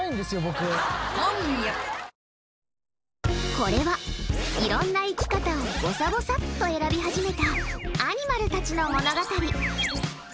これは、いろんな生き方をぼさぼさっと選び始めたアニマルたちの物語。